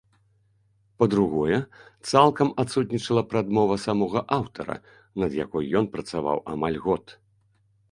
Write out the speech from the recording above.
Па-другое, цалкам адсутнічала прадмова самога аўтара, над якой ён працаваў амаль год.